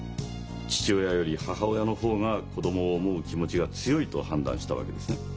父親より母親の方が子供を思う気持ちが強いと判断したわけですね？